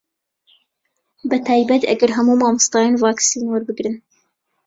بەتایبەت ئەگەر هەموو مامۆستایان ڤاکسین وەربگرن